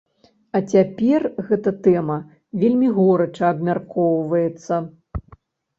А цяпер гэта тэма вельмі горача абмяркоўваецца.